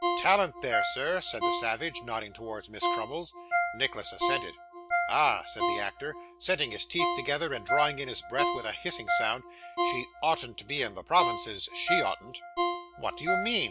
'Talent there, sir!' said the savage, nodding towards Miss Crummles. Nicholas assented. 'Ah!' said the actor, setting his teeth together, and drawing in his breath with a hissing sound, 'she oughtn't to be in the provinces, she oughtn't.' 'What do you mean?